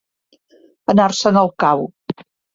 Anar-se'n al cau.